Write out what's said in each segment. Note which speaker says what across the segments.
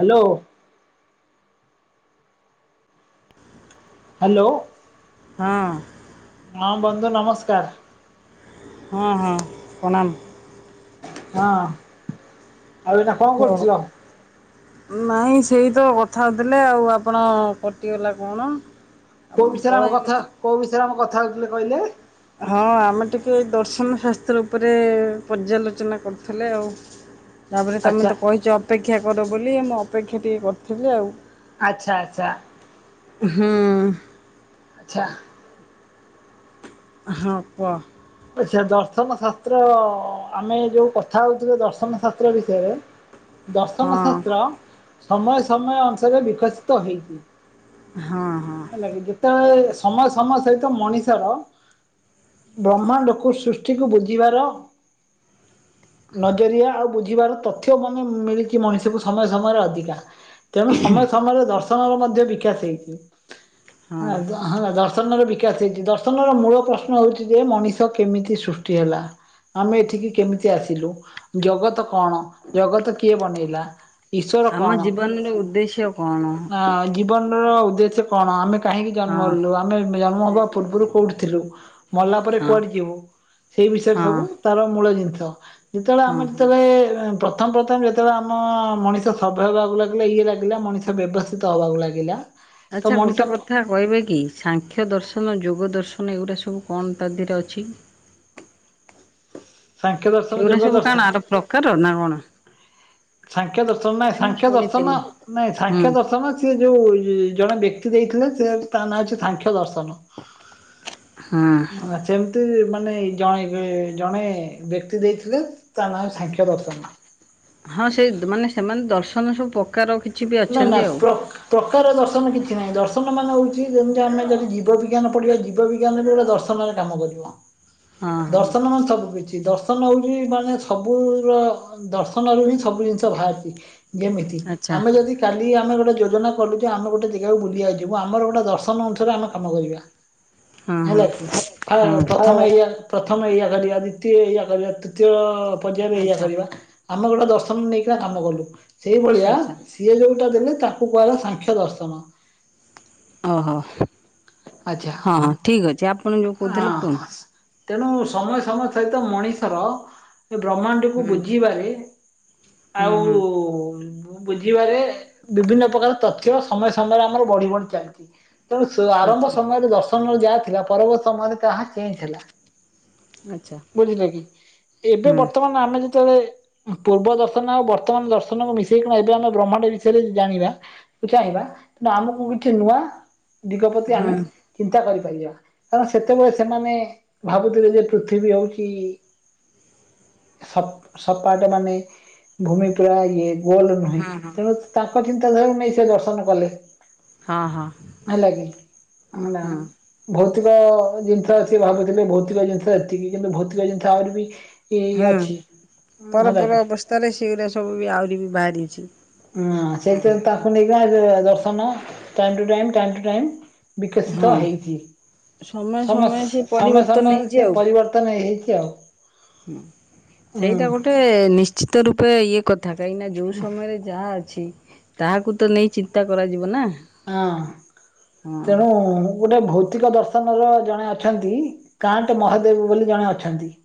Speaker 1: Hello. Hello.
Speaker 2: ହଁ।
Speaker 1: ହଁ ବନ୍ଧୁ ନମସ୍କାର।
Speaker 2: ହଁ ହଁ ପଣାମ।
Speaker 1: ହଁ ଆଉ ଏଟା
Speaker 2: [inaudible] ନାଇଁ ସେଇ ତ କଥା ହେଇଥିଲେ ଆଉ ଆପଣ କଟିଗଲା କଣ।
Speaker 1: କୋଉ
Speaker 2: ଆପଣ
Speaker 1: ବିଷୟରେ ଆମ
Speaker 2: ପଳେଇଲେ।
Speaker 1: କଥା କୋଉ ବିଷୟରେ ଆମ କଥା ହୋଉଥିଲେ କହିଲେ।
Speaker 2: ହଁ ଆମେ ଟିକେ ଦର୍ଶନ ଶାସ୍ତ୍ର ଉପରେ ପର୍ଯ୍ୟାଲୋଚନା କରୁଥିଲେ ଆଉ।
Speaker 1: ହଁ
Speaker 2: ତାପରେ ତମେ ତ କହିଛ ଅପେକ୍ଷା କର ବୋଲି ମୁଁ ଅପେକ୍ଷା ଟିକେ କରିଥିଲି ଆଉ।
Speaker 1: ଆଚ୍ଛା ଆଚ୍ଛା।
Speaker 2: ହଁ।
Speaker 1: ଆଚ୍ଛା।
Speaker 2: ହଁ କୁଅ।
Speaker 1: ଆଚ୍ଛା ଦର୍ଶନ ଶାସ୍ତ୍ର ଆମେ ଯୋଉ କଥା ହଉଥିଲେ ଦର୍ଶନ ଶାସ୍ତ୍ର ବିଷୟରେ। ଦର୍ଶନ
Speaker 2: ହଁ
Speaker 1: ଶାସ୍ତ୍ର ସମୟ ସମୟ ଅନୁସାରେ ବିକଶିତ ହୋଇଛି।
Speaker 2: ହଁ ହଁ।
Speaker 1: ହେଲାକି ଯେତେବେଳେ ସମୟ ସମୟ ସହିତ ମଣିଷର ବ୍ରହ୍ମାଣ୍ଡକୁ ସୃଷ୍ଟିକୁ ବୁଝିବାର ନଜରିଆ ଆଉ ବୁଝିବାର ତଥ୍ୟ ମାନେ ମିଳିଛି ମଣିଷକୁ ସମୟ ସମୟରେ ଅଧିକା। ତେଣୁ ସମୟ ସମୟରେ ଦର୍ଶନର ମଧ୍ୟ ବିକାଶ ହେଇଛି
Speaker 2: ହଁ।
Speaker 1: ହେଲା ଆ ହଁ ଦର୍ଶନର ବିକାଶ ହେଇଛି ଦର୍ଶନର ମୂଳ ପ୍ରଶ୍ନ ହେଉଛି ଯେ ମଣିଷ କେମିତି ସୃଷ୍ଟି ହେଲା? ଆମେ ଏଠିକି କେମିତି ଆସିଲୁ ଜଗତ କଣ ଜଗତ କିଏ ବନେଇଲା? ଈଶ୍ୱର
Speaker 2: ଆମ ଜୀବନର ଉଦ୍ଦେଶ୍ୟ କଣ?
Speaker 1: କଣ ଆ ଜୀବନ ର ଉଦ୍ଦେଶ୍ୟ କଣ ଆମେ କାହିଁକି ଜନ୍ମ
Speaker 2: ହଁ
Speaker 1: ହେଲୁ ଆମେ ଜନ୍ମ ହେବା ପୂର୍ବରୁ କୋଉଠି ଥିଲୁ। ମଲା ପରେ
Speaker 2: ହଁ
Speaker 1: କୁଆଡେ ଯିବୁ ସେଇ ବିଷୟରେ ସବୁ
Speaker 2: ହଁ
Speaker 1: ତାର ମୂଳ ଜିନିଷ ଯେତେଏଳେ
Speaker 2: ହଁ
Speaker 1: ଆମର
Speaker 2: ହଁ।
Speaker 1: ଯେତେଏଳେ ପ ପ୍ରଥମ ପ୍ରଥମେ ଯେତେବେଳେ ଆମ ମଣିଷ ସଭ୍ୟ ହେବାକୁ ଲାଗିଲା ଇଏ ଲାଗିଲା ମଣିଷ ବ୍ୟବସ୍ଥିତ ହେବାକୁ ଲାଗିଲା। ତ
Speaker 2: ଆଚ୍ଛା
Speaker 1: ମଣିଷ
Speaker 2: ଗୋଟେ କଥା କହିବେ କି ସାଂଖ୍ୟ ଦର୍ଶନ ଯୋଗ ଦର୍ଶନ ଏଗୁରା ସବୁ କଣ ତା ଦେହରେ ଅଛି?
Speaker 1: ସାଂଖ୍ୟ ଦର୍ଶନ
Speaker 2: ସେଗୁଡା
Speaker 1: ଯୋଗ
Speaker 2: ସବୁ
Speaker 1: ଦର୍ଶନ
Speaker 2: କାଣ ଆର ପ୍ରକାର ନା କଣ?
Speaker 1: ସାଂଖ୍ୟ ଦର୍ଶନ ନା
Speaker 2: ନାଇଁ ମୁଁ
Speaker 1: ସାଂଖ୍ୟ ଦର୍ଶନ
Speaker 2: ଶୁଣିଥିଲି
Speaker 1: ନାଇଁ
Speaker 2: ହୁଁ
Speaker 1: ସାଂଖ୍ୟ ଦର୍ଶନ ସେ ଯୋଉ ଏ ଜଣେ ବ୍ୟକ୍ତି ଦେଇଥିଲେ ସେ ତା ନାଁ ଅଛି ସାଂଖ୍ୟ ଦର୍ଶନ।
Speaker 2: ହଁ।
Speaker 1: ଚେମତି ମାନେ ଜଣେ ଜଣେ ବ୍ୟକ୍ତି ଦେଇଥିଲେ। ତା ନାଁ ହଉ ସାଂଖ୍ୟ ଦର୍ଶନ।
Speaker 2: ହଁ ସେ ମାନେ ସେମାନେ ଦର୍ଶନ ସବୁ ପ୍ରକାର କିଛି ବି
Speaker 1: ନା ନା
Speaker 2: ଅଛନ୍ତି ଆଉ।
Speaker 1: ପ୍ର ପ୍ରକାର ଦର୍ଶନ କିଛି ନାଇଁ ଦର୍ଶନ ମାନେ ହଉଚି ଯେମିତି ଆମେ ଯଦି ଜୀବ ବିଜ୍ଞାନ ପଢିବା ଜୀବ ବିଜ୍ଞାନ ବି ଗୋଟେ ଦର୍ଶ ନରେ କାମ କରିବ
Speaker 2: ହଁ ହଁ
Speaker 1: ଦର୍ଶନ ମାନେ ସବୁ କିଛି। ଦର୍ଶନ ହଉଛି ମାନେ ସବୁ ର ଦର୍ଶନରୁୁ ହିଁ ସବୁ ଜିନିଷ ବାହାରିଚି। ଯେମତି
Speaker 2: ଆଚ୍ଛା
Speaker 1: ଯଦି କାଲି ଆମେ ଗୋଟେ ଯୋଜନା କଲୁ ଯେ ଆମେ ଗୋଟେ ଜେଗାକୁ ବୁଲିିଆକୁ ଯିବୁ ଆମର ଗୋଟେ ଦର୍ଶନ ଅନୁସାରେ ଆମେ କାମ କରିବା।
Speaker 2: ହଁ
Speaker 1: ହେଲା କି
Speaker 2: ହଁ ହଁ
Speaker 1: ପ୍ରଥମେ ଏୟା। ପ୍ରଥମେ ଏୟା କରିବା ଦ୍ଵିତୀୟ ଏୟା କରିବା ତୃତୀୟ ପର୍ଯ୍ୟାୟରେ ଏୟା
Speaker 2: ଆଚ୍ଛା
Speaker 1: କରିବା। ଆମର ଗୋଟେ ଦର୍ଶନ ନେଇକିରା କାମ କଲୁ ସେଇଭଳିଆ
Speaker 2: ଆଚ୍ଛା।
Speaker 1: ସିଏ ଯୋଉଟା ଦେଲେ ତାକୁ କୁହାହେଲା ସାଂଖ୍ୟ ଦର୍ଶନ।
Speaker 2: ଓହୋ ହଁ
Speaker 1: ଆଚ୍ଛା
Speaker 2: ହଁ ଠିକ୍ ଅଛି ଆପଣ ଯୋଉ
Speaker 1: ହଁ
Speaker 2: କହୁଥିଲେ କୁହନ୍ତୁ।
Speaker 1: ତେଣୁ ସମୟ ସମୟ ସହିତ ମଣିଷର ଏ ବ୍ରହ୍ମାଣ୍ଡ କୁ
Speaker 2: ହୁଁ
Speaker 1: ବୁଝିବାରେ
Speaker 2: ହୁଁ
Speaker 1: ଆଉ
Speaker 2: ହୁଁ
Speaker 1: ବୁଝିବାରେ ବିଭିନ୍ନ ପ୍ରକାର ତଥ୍ୟ ସମୟ ସମୟରେ ଆମର ବଢି ବଢି ଚାଲିଚି ତେଣୁ ତ ଆରମ୍ଭ
Speaker 2: ଆଚ୍ଛା
Speaker 1: ସମୟରେ ଦର୍ଶନର ଯାହା ଥିଲା ପରବର୍ତ୍ତୀ ସମୟରେ ତାହା ଚେଞ୍ଜ ହେଲା।
Speaker 2: ଆଚ୍ଛା
Speaker 1: ବୁଝିଲେ କି ଏବେ
Speaker 2: ହୁଁ
Speaker 1: ବର୍ତ୍ତମାନ ଆମେ ଯେତେଏଳେ ପୂର୍ବ ଦର୍ଶନ ଆଉ ବର୍ତ୍ତମାନ ଦର୍ଶନକୁ ମିଶେଇ କଣ ଏବେ ଆମେ ବ୍ରହ୍ମାଣ୍ଡ ବିଷୟରେ ଜାଣିବା। ଚାହିଁବା ତେଣୁ ଆମକୁ କିଛି ନୂଆ ଦିଗ ପତି ଆମେ ଚିନ୍ତା କରିପାରିବା। ହଁ ସେତେବେଳେ ସେମାନେ ଭାବୁଥିଲେଯେ ପୃଥିବୀ ହଉଚି ସପ୍ ସବପାଟ ମାନେ ଭୂମି ପୁରା ଇଏ ଗୋଲ ନୁହେଁ ତେଣୁ ତାଙ୍କ ଚିନ୍ତାଧାରାରୁ ନେଇ ସେଦର୍ଶନ କଲେ।
Speaker 2: ହଁ ହଁ।
Speaker 1: ହେଲାକି
Speaker 2: ହୁଁ
Speaker 1: [unintelligible] ଭୌତିକ ଜିନିଷ ସିଏ ଭାବୁଥିଲେ ଭୌତିକ ଜିନିଷ ଏତିକି କିନ୍ତୁ ଭୌତିକ ଜିନିଷ ଆହୁରିବି କି ଏଇ ଅଛି ହେଲାକି
Speaker 2: ତାରେ ସେଇରା ସବୁବି ଆହୁରିବି ବାହାରିଚି।
Speaker 1: ହୁଁ ସେଇଥିରେ ତାକୁ ନେଇକିନା ଯ ଦର୍ଶନ time to time to time ବିକଶିତ
Speaker 2: ହଁ
Speaker 1: ହେଇଚି।
Speaker 2: ସମୟ ସମୟ
Speaker 1: ସମସ
Speaker 2: ସେ
Speaker 1: ସମୟ
Speaker 2: ପରିବର୍ତ୍ତନ
Speaker 1: ସମୟରେ
Speaker 2: ହେଇଛି
Speaker 1: ସେପରିବର୍ତ୍ତନ ହେଇଚି ଆଉ।
Speaker 2: ହୁଁ
Speaker 1: ହୁଁ
Speaker 2: ସେଇଟା ଗୋଟେ ନିଶ୍ଚିତ ରୂପେ ଇଏ କଥା କାହିଁକିନା ଯୋଉ ସମୟରେ ଯାହା ଅଛି ତାହାକୁତ ନେଇ ଚିନ୍ତା କରାଯିବନା।
Speaker 1: ହଁ ତେଣୁ ଗୋଟେ ଭୌତିକ ଦର୍ଶନର ଜଣେ ଅଛନ୍ତି କାଣ୍ଟ ମହାଦେବ ବୋଲି ଜଣେ ଅଛନ୍ତି।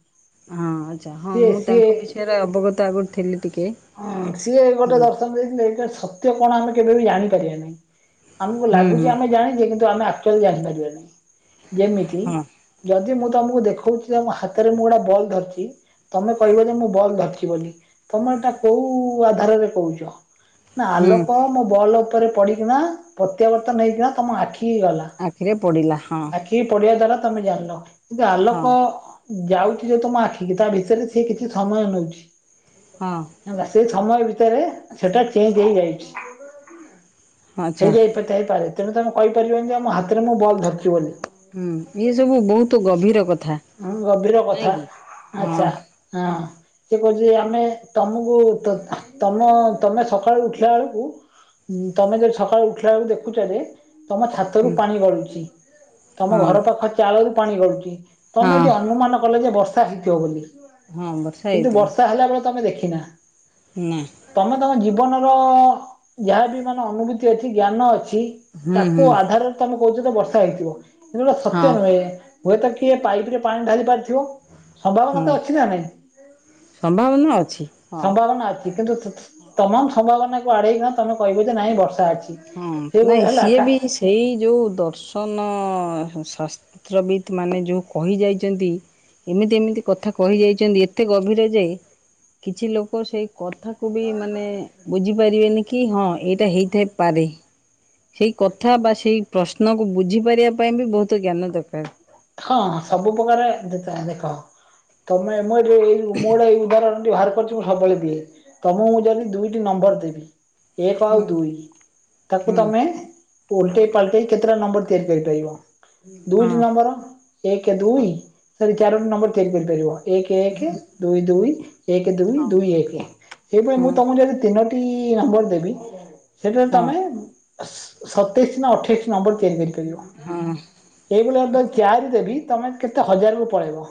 Speaker 2: ହଁ ଆଚ୍ଛା ହଁ
Speaker 1: ସିଏ
Speaker 2: ମୁଁ
Speaker 1: ସିଏ
Speaker 2: ତାଙ୍କ ବିଷୟରେ ଅବଗତ ଆଗରୁ ଥିଲି ଟିକେ।
Speaker 1: ହଁ ସିଏ ଗୋଟେ
Speaker 2: ହୁଁ।
Speaker 1: ଦର୍ଶନ ଦେଇଥିଲେ ସତ୍ୟ କଣ ଆମେ କେବେବି ଜାଣିପାରିବାନି। ଆମକୁ
Speaker 2: ହୁଁ
Speaker 1: ଲାଗୁଚି
Speaker 2: ହୁଁ
Speaker 1: ଆମେ ଜାଣିଛେ କିନ୍ତୁ ଆମେ ଆକ୍ଚୁଆଲି ଜାଣିପାରିବାନି ଯେମିତି
Speaker 2: ହଁ
Speaker 1: ଯଦି ମୁଁ ତମକୁ ଦେଖଉଚି ତମ ହାତରେ ମୁଁ ଗୋଟେ ବଲ୍ ଧରିଚି ତମେ କହିବଯେ ମୁଁ ବଲ୍ ଧରିଚି ବୋଲି ତମେ ଏଟା କୋଉ ଆଧାରରେ କହୁଚ ନା
Speaker 2: ହୁଁ
Speaker 1: ଆଲୋକ ମୋ ବଲ୍ ଉପରେ ପଡ଼ି କିନା ପ୍ରତ୍ୟାବର୍ତ୍ତନ ହେଇକିନା ତମ ଆଖି ଗଲା।
Speaker 2: ଆଖିରେ ପଡ଼ିଲା ହଁ।
Speaker 1: କି ପଢିବା ଦ୍ଵାରା ତମେ ଜାଣିଲ କିନ୍ତୁ
Speaker 2: ହଁ
Speaker 1: ଆଲୋକ ଯାଉଚି ଯୋଉ ତମ ଆଖିକି ତାଭିତରେ ସେକିଛି ସମୟ ନଉଚି।
Speaker 2: ହଁ।
Speaker 1: ହେଲା ସେସମୟ ଭିତରେ ସେଟା ଚେଞ୍ଜ ହେଇଯାଇଛି
Speaker 2: ଆଚ୍ଛା
Speaker 1: ହେଇଯାଇପା ଥାଇପାରେ ତେଣୁ ତମେ କହିପାରିବନିଯେ ଆମ ହାତରେ ମୁଁ ବଲ୍ ଧରଚି ବୋଲିି।
Speaker 2: ହୁଁ ଇଏ ସବୁ ବହୁତ୍ ଗଭୀର କଥା।
Speaker 1: ହଁ ଗଭୀର କଥା
Speaker 2: ହଁ
Speaker 1: ଆଚ୍ଛା ହଁ। ସେ କହୁଚି ଆମେ ତମକୁ ତମ ତମେ ସକାଳୁ ଉଠିଲା ବେଳକୁ ଁ ତମେ ଯଦି ସକାଳୁ ଉଠିଲା ବେଳୁ ଦେଖୁଚଯେ ତମ ଛାତରୁ
Speaker 2: ହୁଁ
Speaker 1: ପାଣି ଗଳୁଛି ତମ
Speaker 2: ହଁ।
Speaker 1: ଘର ପାଖ ଚାଳରୁ ପାଣି ଗଡୁଛି। ତମେ
Speaker 2: ହଁ
Speaker 1: ଏଠି ଅନୁମାନ କଲେଯେ ବର୍ଷା ହେଇଥିବ ବୋଲି।
Speaker 2: ହଁ ବର୍ଷା
Speaker 1: କିନ୍ତୁ ବର୍ଷା ହେଲା ବେଳେ ତମେ ଦେଖିିନା।
Speaker 2: ନାଁ।
Speaker 1: ତମେ ତମ ଜୀବନର ଯାହାବି ମାନେ ଅନୁଭୂତି ଅଛି ଜ୍ଞାନ ଅଛି
Speaker 2: ହୁଁ
Speaker 1: ତାକୁ
Speaker 2: ହୁଁ
Speaker 1: ଆଧାରରେ ତମେ କହୁଚତ ବର୍ଷା ହେଇଥିବ କିନ୍ତୁଏଟା ସତ୍ୟ
Speaker 2: ହଁ
Speaker 1: ନୁହେଁ ହୁଏତ କିଏ ପାଇପ୍ରେ ପାଣି ଢାଲି ପାରିଥିବ
Speaker 2: ହଁ।
Speaker 1: ସମ୍ଭାବନାତ ଅଛିନା ନାହିଁ।
Speaker 2: ସମ୍ଭାବନା ଅଛି।
Speaker 1: ସମ୍ଭାବନା ଅଛି କିନ୍ତୁ ତମ ସମ୍ଭାବନାକୁ ଆଡେଇକି ତମେ କହିବଯେ ନାଇଁ ବର୍ଷା ଅଛି।
Speaker 2: ହଁ ନାଇଁ
Speaker 1: ସେଇଭଳିଆ ହେଲା
Speaker 2: ସିଏବି ସେଇ ଯୋଉ ଦର୍ଶନ ଶା ପିତ୍ରବିତ୍ ମାନେ ଯେଉଁ କହିଯାଇଚନ୍ତି। ଏମିତି ଏମିତି କଥା କହି ଯାଇଚନ୍ତି ଏତେ ଗଭୀର ଯେ କିଛି ଲୋକ ସେଇ କଥାକୁ ବି ମାନେ ବୁଝିପାରିବେନି କି ହଁ ଏଇଟା ହେଇଥାଏ ପାରି ସେଇ କଥା ବା ସେଇ ପ୍ରଶ୍ନକୁ ବୁଝିପାରିବା ପାଇଁ ବି ବୋହୁତ ଜ୍ଞାନ ଦରକାର।
Speaker 1: ହଁ ସବୁ ପ୍ରକାର ଦେଖା ଦେଖ। ତମେ ମୋ ଯୋଉ ଏଇ ମୋର ଏଇ ଉଦାହରଣଟି ବାହାର କରିଚ। ସବୁବେଳେ ଦିଏ ତମକୁ ମୁଁ ଯଦି ଦୁଇଟି ନମ୍ବର ଦେବି ଏକ ଆଉ
Speaker 2: ହୁଁ
Speaker 1: ଦୁଇ ତାକୁ
Speaker 2: ହୁଁ
Speaker 1: ତମେ ଓଲଟେଇ ପାଲଟେଇ କେତେଟା ନମ୍ବର ତିଆରି କରିପାରିବ
Speaker 2: ହଁ
Speaker 1: ଦୁଇଟି ନମ୍ବର। ଏକ
Speaker 2: ହଁ।
Speaker 1: ଦୁଇ ସରି ଚାରୋଟି ନମ୍ବର ତିଆରି କରିପାରିବ। ଏକ ଏକ ଦୁଇ ଦୁଇ ଏକ ଦୁଇ ଦୁଇ ଏକ ସେଇଭଳି ମୁଁ ଯିିଦି ତମକୁ ଯଦି ତିନୋ ଟି ନମ୍ବର ଦେବି ସେଠାରେ
Speaker 2: ହଁ
Speaker 1: ତମେ ସତେଇଶି ନା ଅଠେଇଶି ନମ୍ବର ତିଆରି କରିପାରିବ
Speaker 2: ହଁ ହଁ
Speaker 1: ଏଇଭଳି ଅ କରିଦେବି ତମେ କେତେ ହଜାରକୁ ପଳେଇବ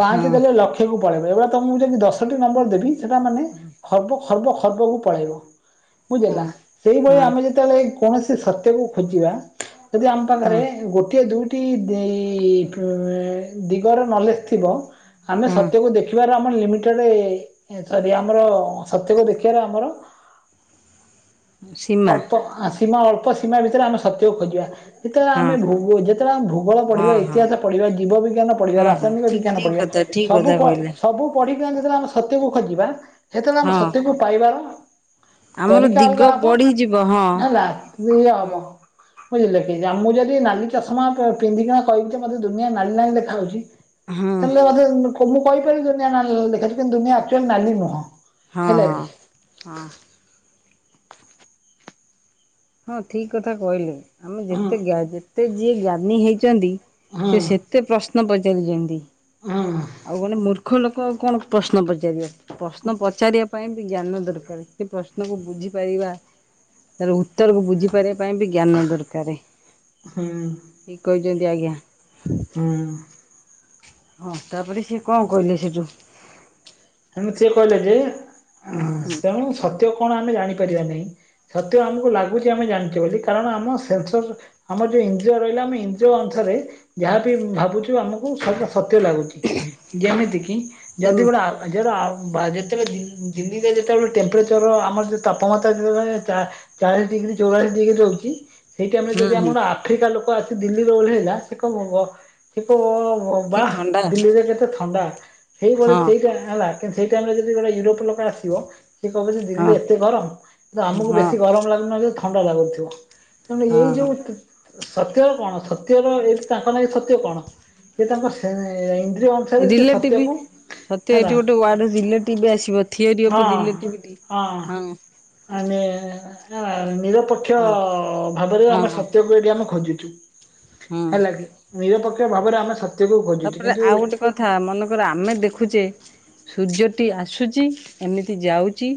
Speaker 1: ପାଞ୍ଚ ଦେଲେ ଲକ୍ଷ ସବୁ ପଳେଇବେ ଏଭଳିଆ ତମକୁ ଯଦି ଦଶଟି ନମ୍ବର ଦେବି ସେଟା ମାନେ ହବ ଖର୍ବ ଖର୍ବକୁ ପଳେଇବ
Speaker 2: ହଁ।
Speaker 1: ବୁଝୀଲେନା ସେଇଭଳିଆ
Speaker 2: ହଁ।
Speaker 1: ଆମେ ଯଦି ଯେତେବେଳେ କୌଣସି ସତ୍ୟକୁ ଖୋଜିବା ଯଦି ଆମ
Speaker 2: ହଁ
Speaker 1: ପାଖରେ ଗୋଟିଏ ଦୁଇଟି ଏଇ ପୁରେ ଦିଗର ନଲେଜ ଥିବ ଆମେ
Speaker 2: ହଁ
Speaker 1: ସତ୍ୟକୁ ଦେଖି ବାର ଆମର ଲିମିଟେଡେ ଏଥର ବି ଆମର ସତ୍ୟକୁ ଦେଖିବାରେ ଆମର
Speaker 2: ସୀମା
Speaker 1: ଅଳ୍ପ ସୀମା ଅଳ୍ପ ସୀମା ଭିତରେ ଆମେ ସତ୍ୟକୁ ଖୋଜିବା। ଯେତେବେଳେ
Speaker 2: ହଁ
Speaker 1: ଆମେ ଭୂ ଯେତେଳେ ଆମ ଭୁଗୋଳ
Speaker 2: ହଁ
Speaker 1: ପଢ଼ିବେ
Speaker 2: ହଁ
Speaker 1: ଇତିହାସ ପଢ଼ିବବେ ଜୀବିଜ୍ଞାନ
Speaker 2: ହଁ
Speaker 1: ପଢ଼ିବା
Speaker 2: ହଁ
Speaker 1: ରାସାୟନିକ
Speaker 2: ଠିକ
Speaker 1: ବିଜ୍ଞାନ
Speaker 2: ଠିକ
Speaker 1: ପଢ଼ିବା
Speaker 2: କଥା ଠିକ
Speaker 1: ସବୁ
Speaker 2: କଥା
Speaker 1: ପ
Speaker 2: କହିଲେ
Speaker 1: ସବୁ ପଢ଼ିଚନ୍ତି ଯେତେବେଳେ ଆମେ ସତ୍ୟକୁ ଖୋଜିବା ସେତେବେଳେ ଆମେ
Speaker 2: ହଁ
Speaker 1: ସତ୍ୟକୁ ପାଇବାର ତରିକା ଅଲଗା ହବ।
Speaker 2: ଯିବ ହଁ।
Speaker 1: ହେଲା କିଲିୟର ହବ। ବୁଝିଲେକି ମୁଁ ଯଦି ନାଲି ଚାଷମା ପିନ୍ଧିକିଣା କହିବି ମତେ ଦନିଆ ନାଲି ନାଲି ଦେଖା ହୋଉଚି
Speaker 2: ହଁ
Speaker 1: ତାେଲେ ଆଗେ ମୁଁ କହିପାରିବି ଦୁନିଆ ନାଲି ନାଲି ଦେଖା ହୋଉଚି କିନ୍ତୁ ଦୁନିଆ ଆକ୍ଚୁଆଲି ନାଲି ନୁହଁ।
Speaker 2: ହଁ
Speaker 1: ହେଲା
Speaker 2: ହଁ
Speaker 1: କି
Speaker 2: ହଁ। ହଁ ଠିକ୍ କଥା କହିଲେ ଆମେ
Speaker 1: ହୁଁ
Speaker 2: ଯେତେ ଯେତେ ଯିଏ ଜ୍ଞାନୀ ହେଇଚନ୍ତି
Speaker 1: ହୁଁ
Speaker 2: ସିଏ ସେ ଏତେ ପ୍ରଶ୍ନ ପଚାରିଚନ୍ତି
Speaker 1: ହୁଁ
Speaker 2: ଆଉ କଣ ମୂର୍ଖ ଲୋକ ଆଉ କଣ ପ୍ରଶ୍ନ ପଚାରିବ। ପ୍ରଶ୍ନ ପଚାରିବା ପାଇଁ ବି ଜ୍ଞାନ ଦରକାର ସେ ପ୍ରଶ୍ନକୁ ବୁଝିପାରିବା ତାର ଉତରକୁ ବୁଝି ପାରିବା ପାଇଁ ବି ଜ୍ଞାନ ଦରକାରେ।
Speaker 1: ହୁଁ
Speaker 2: ଠିକ୍ କହିଚନ୍ତି ଆଜ୍ଞା।
Speaker 1: ହୁଁ।
Speaker 2: ହଁ ତାପରେ ସିଏ କଣ କହିଲେ ସେଠୁ
Speaker 1: ତେଣୁ ସିଏ କହିଲେ ଯେ
Speaker 2: ହୁଁ
Speaker 1: ତେଣୁ ସତ୍ୟ କଣ ଆମେ ଜାଣିପାରିବା ନାହିଁ। ସତ ଆମକୁ ଲାଗୁଚି ଆମେ ଜାଣିଛେ ବୋଲି କାରଣ ଆମ ସେନ୍ସର ଆମର ଯୋଉ ଇନ୍ଦ୍ରିୟ ରହିଲା ଆମେ ଇନ୍ଦ୍ରିୟ ଅନୁସାରେ ଯାହାବି ଭାବୁଛୁ ଆମକୁ ସତ୍ୟ ଲାଗୁଛି। ଯେମିତି କିି
Speaker 2: ସେ
Speaker 1: ଯଦି
Speaker 2: ହୁଁ
Speaker 1: ଗୋଟେ ଆ [unintelligible] ଯେତେବେଳେ ଦି ଦିଲ୍ଲୀରେ ଯେତେବେଳେ ଟେମ୍ପରେଚର ଆମର ଯେ ତାପମାତ୍ରା ଯେତେବେଳେ ଚା ଚାଳିଶ ଡିଗ୍ରୀ ଚଉରାଳିଶ ଡିଗ୍ରୀ ରହୁଚି। ସେଇ ଟାଇମ୍ ରେ ଯଦି
Speaker 2: ହୁଁ
Speaker 1: ଆମର ଆଫ୍ରିକା ଲୋକ ଆସି ଦିଲ୍ଲୀରେ ଓଲ୍ହେଇଲା ସେ କବ ହବ ସେ କବ ହବ ଦା
Speaker 2: କି
Speaker 1: ୱାଆ
Speaker 2: ଥଣ୍ଡା
Speaker 1: ଦିଲ୍ଲୀରେ କେତେ ଥଣ୍ଡା ସେଇଭଳି
Speaker 2: ହଁ
Speaker 1: ସେଇଟା ହେଲା କିନ୍ତୁ ସେଇ ଟାଇମ ରେ ଯଦି ଗୋଟେ ୟୁରୋପ ଲୋକ ଆସିବ ସିଏ କହିବ ଯେ
Speaker 2: ହଁ
Speaker 1: ଦିଲ୍ଲୀରେ ଏତେ ଗରମ କିନ୍ତୁ ଆମୁକୁ
Speaker 2: ହଁ ହଁ
Speaker 1: ବେଶୀ ଗରମ ଲାଗୁନି ଯେ ଥଣ୍ଡା ଲାଗୁଥିବ। ନ ହେଲେ ଏଇ
Speaker 2: ହଁ
Speaker 1: ଯୋଉ ତୁ ସତ୍ୟର କଣ ସତ୍ୟର ଏଇଠି ତାଙ୍କ ପାଇଁ ସତ୍ୟ କଣ କି ତାଙ୍କର ସେ ଇନ୍ଦ୍ରିୟ ସେଇ ସେ
Speaker 2: ରିଲେଟିଭ
Speaker 1: ସତ୍ୟକୁ
Speaker 2: ସତ୍ୟ
Speaker 1: ହେଲା
Speaker 2: ଏଇଠି ଗୋଟେ ୱାର୍ଡ ରିଲେଟିଭ ଆସିବ ଥିଓରି
Speaker 1: ହଁ
Speaker 2: ଅଫ୍ ରିଲେଟିଭିଟି ହଁ।
Speaker 1: ଆମେ ଆ ନିରପେକ୍ଷ
Speaker 2: ହଁ
Speaker 1: ଭାବରେ
Speaker 2: ହଁ
Speaker 1: ଆମେ
Speaker 2: ହଁ
Speaker 1: ସତ୍ୟ କୁ ଏଇଠି ଆମେ ଖୋଜିଚୁ
Speaker 2: ହଁ
Speaker 1: ହେଲା କି ନିରପେକ୍ଷ ଭାବରେ ଆମେ ସ
Speaker 2: ତାପରେ ଆଉ ଗୋଟେ କଥା ମନେକର ଆମେ ଦେଖୁଚେ ସୂର୍ଯ୍ୟଟି ଆସୁଚି ଏମିତି ଯାଉଚି।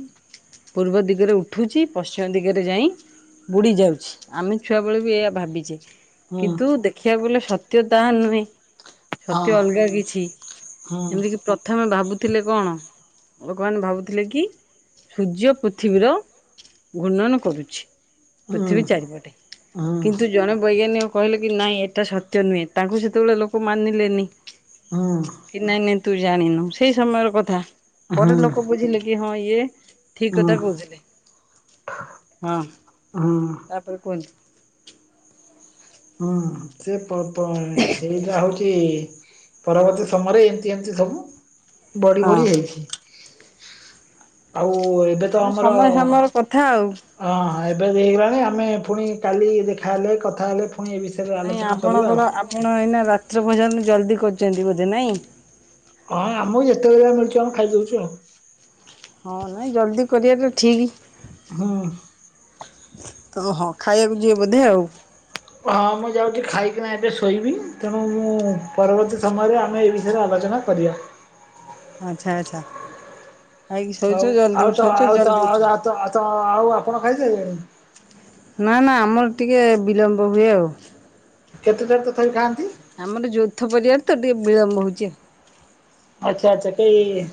Speaker 2: ପୂର୍ବ ଦିଗରେ ଉଠୁଚି ପଶ୍ଚିମ ଦିଗରେ ଯାଇଁ ବୁଡ଼ି ଯାଉଛି ଆମେ ଛୁଆବେଳେ ବି ଏଇଆ ଭାବିଚେ।
Speaker 1: ହଁ
Speaker 2: କିନ୍ତୁ ଦେଖିବାକୁ ଗଲେ ସତ୍ୟ ତାହା ନୁହେଁ। ସତ୍ୟ ଅଲଗା କିଛି
Speaker 1: ହୁଁ
Speaker 2: ଏମିତି କି ପ୍ର ଥମେ ଭାବୁଥିଲେ କଣ ଲୋକମାନେ ଭାବୁଥିଲେ କି ସୂର୍ଯ୍ୟ ପୃଥିବୀର ଘୂର୍ଣ୍ଣନ କରୁଛି
Speaker 1: ହୁଁ
Speaker 2: ପୃଥିବୀ ଚାରିପଟେ
Speaker 1: ହୁଁ
Speaker 2: କିନ୍ତୁ ଜଣେ ବୈଜ୍ଞାନିକ କହିଲେ କି ନାଇଁ ଏଟା ସତ୍ୟ ନୁହେଁ ତାଙ୍କୁ ସେତବେଳେ ଲୋକ ମାନିଲେନି
Speaker 1: ହଁ।
Speaker 2: କି ନାଇଁ ନାଇଁ ତୁ ଜାଣିନୁ ସେଇ ସମୟର କଥା
Speaker 1: ହୁଁ
Speaker 2: ପରେ ଲୋକ ବୁଝିଲେ କି ହଁ ଇଏ ଠିକ୍
Speaker 1: ହୁଁ
Speaker 2: କଥା କହୁଥିଲେ ହଁ
Speaker 1: ହୁଁ
Speaker 2: ତାପରେ କୁହନ୍ତୁ
Speaker 1: ହୁଁ ସେ [unintelligible] ସେଇଟା ହଉଚି ପରବର୍ତ୍ତୀ ସମୟରେ ଏମତି ଏମିତି ସବୁ ବଢ଼ି
Speaker 2: ହଁ
Speaker 1: ବଢ଼ି ହେଇଛି। ଆଉ ଏବେ ତ
Speaker 2: ତେଣୁ
Speaker 1: ଆମର
Speaker 2: ସମୟ ସମୟର କଥା ଆଉ।
Speaker 1: ହଁ ହଁ ଏବେ ବି ହେଇଗଲାଣି ଆମେ ଫୁଣି କାଲି ଦେଖାହେଲେ କଥା ହେଲେ ଫୁଣି ଏଇ ବି
Speaker 2: ନାଇଁ ଆପଣଙ୍କର ଆପଣ ଏଇନା ରାତ୍ର ଭୋଜନ ଜଲଦି କରୁଚନ୍ତି ବୋଧେ ନାଇଁ?
Speaker 1: ହଁ ଆମକୁ ଯେତବେଳେ ମିଳୁଚି ଆମେ ଖାଇଦଉଚୁ ଆଉ।
Speaker 2: ହଁ ନାଇଁ ଜଲ୍ଦି କରିବାଟା ଠିକ୍।
Speaker 1: ହୁଁ।
Speaker 2: ତ ହଁ ଖାଇବାକୁ ଯିବେ ବୋଧେ ଆଉ।
Speaker 1: ହଁ ମୁଁ ଯାଉଚି ଖାଇକିନା ଏବେ ଶୋଇବି ତେଣୁ ମୁଁ ପରବର୍ତ୍ତୀ ସମୟରେ ଆମେ ଏଇ ବି ୟରେ ଆଲୋଚନା କରିବା।
Speaker 2: ଆଚ୍ଛା ଆଚ୍ଛା ଖାଇକି
Speaker 1: ହଉ
Speaker 2: ଶୋଉଚ ଜଲଦି
Speaker 1: ଆଉ ତ
Speaker 2: ଉଠଉଚ
Speaker 1: ଆଉ ତ
Speaker 2: ଜଲଦି
Speaker 1: ଆଉ
Speaker 2: ଉଠୁଚ।
Speaker 1: ତ ତ ଆଉ ଆପଣ ଖାଇ ସାଇଲେଣି?
Speaker 2: ନା ନା ଆମର ଟିକେ ବିଳମ୍ବ ହୁଏ ଆଉ।
Speaker 1: କେତେ ଥର ତଥାପି ଖାଆନ୍ତି?
Speaker 2: ଆମର ଯୌଥ ପରିବାର ତ ଟିକେ ବିଳମ୍ବ ହଉଚି ଆଉ।
Speaker 1: ଆଚ୍ଛା ଆଚ୍ଛା କେହି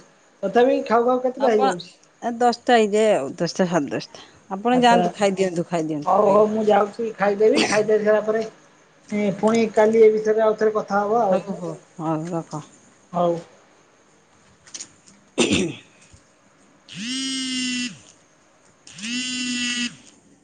Speaker 1: ତଥାପି ଖାଉ ଖାଉ କେତେଟା ହେଇଯାଉଛି?
Speaker 2: ଆ ଦଶଟା ହେଇଯାଏ ଆଉ ଦଶଟା ସାଡେ ଦଶଟା ଆପଣ
Speaker 1: ଆଚ୍ଛା
Speaker 2: ଯାଆନ୍ତୁ ଖାଇଦିଅନ୍ତୁ
Speaker 1: ହଉ
Speaker 2: ଖାଇଦିଅନ୍ତୁ
Speaker 1: ହଉ ମୁଁ
Speaker 2: ଆଜ୍ଞା।
Speaker 1: ଯାଉଛି ଖାଇଦେବି ଖାଇଦେଇସାରିଲା ପରେ ଏଁ ପୁଣି କାଲି ଏଇ ବିଷୟରେ ଆଉଥରେ କ
Speaker 2: ହଉ ହଉ ହଉ ରଖ।
Speaker 1: ହଉ।